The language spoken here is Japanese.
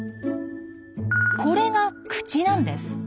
これが口なんです。